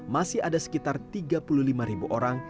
masih ada sekitar tiga puluh lima ribu orang